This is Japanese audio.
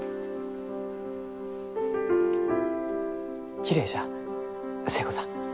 きれいじゃ寿恵子さん。